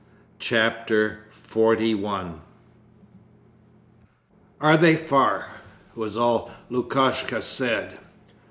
Chapter XLI 'Are they far?' was all Lukashka said.